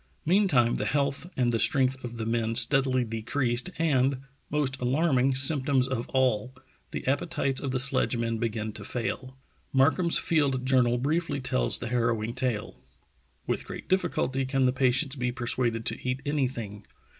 Meantime the health and the strength of the men steadily decreased, and, most alarming symptoms of all, the appetites of the sledgemen began to fail. Mark ham's field journal briefly tells the harrowing tale: ''With great difficulty can the patients be persuaded to eat anything.